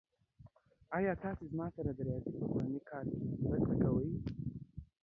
ایا تاسو زما سره زما د ریاضی کورنی کار کې مرسته کولی شئ؟